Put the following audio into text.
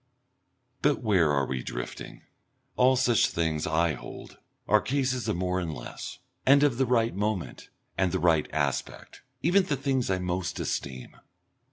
But where are we drifting? All such things, I hold, are cases of more and less, and of the right moment and the right aspect, even the things I most esteem.